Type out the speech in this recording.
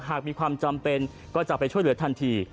หากมีความจำเป็นก็จะไปช่วยเหลือทันที